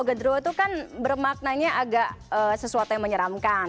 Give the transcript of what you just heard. gendro itu kan bermaknanya agak sesuatu yang menyeramkan